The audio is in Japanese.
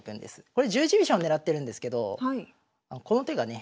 これ十字飛車を狙ってるんですけどこの手がね